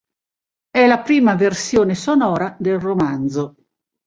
È la prima versione sonora del romanzo.